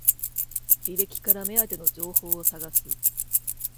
履歴から目当ての情報を探す